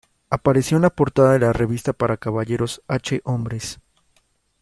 Apareció en la portada de la revista para caballeros "H hombres".